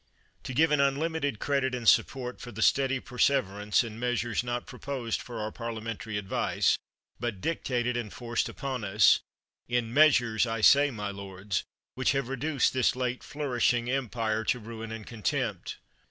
To give an unlimited credit and support for the steady perseverance in measures not pro posed for our parliamentary advice, but dic tated and forced upon us — in measures, I say, my lords, which have reduced this late flour ishing empire to ruin and contempt